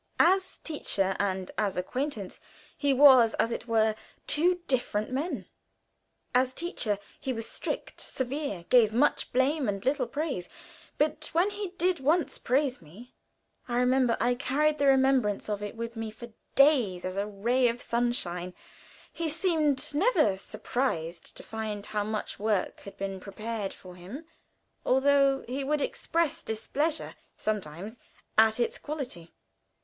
As teacher and as acquaintance he was, as it were, two different men. As teacher he was strict, severe, gave much blame and little praise; but when he did once praise me, I remember, I carried the remembrance of it with me for days as a ray of sunshine. He seemed never surprised to find how much work had been prepared for him, although he would express displeasure sometimes at its quality.